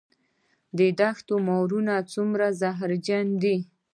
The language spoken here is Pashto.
د دښتو ماران څومره زهرجن دي؟